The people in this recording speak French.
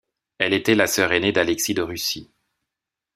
Elle était la sœur aînée d'Alexis de Russie.